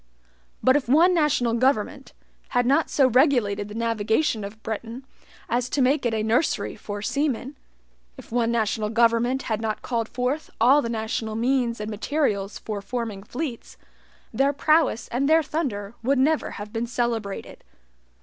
But if one national government, had not so regulated the navigation of Britain as to make it a nursery for seamen if one national government had not called forth all the national means and materials for forming fleets, their prowess and their thunder would never have been celebrated.